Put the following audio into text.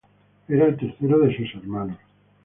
Era el tercero de sus hermanos.